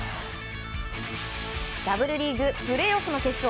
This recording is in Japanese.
Ｗリーグ、プレーオフの決勝。